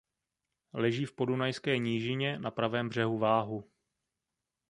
Leží v Podunajské nížině na pravém břehu Váhu.